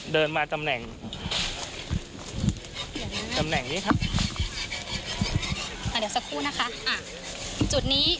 เดินมาตำแหน่งตำแหน่งนี้ครับอ่าเดี๋ยวสักครู่นะคะอ่าจุดนี้